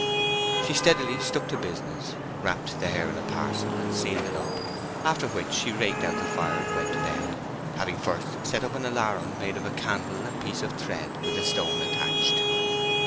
She steadily stuck to business, wrapped the hair in a parcel, and sealed it up, after which she raked out the fire and went to bed, having first set up an alarum made of a candle and piece of thread, with a stone attached.